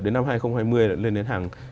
đến năm hai nghìn hai mươi đã lên đến hàng hai mươi